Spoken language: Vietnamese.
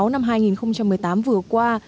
năm hai nghìn một mươi tám vừa qua